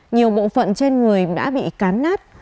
nhiều bộ phận trên người đã bị cán nát